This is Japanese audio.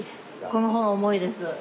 この方が重いです。